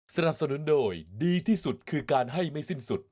สนับสนุนโดยดีที่สุดคือการให้ไม่สิ้นสุด